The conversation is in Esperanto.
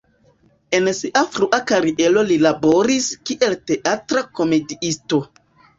En sia frua kariero li laboris kiel teatra komediisto.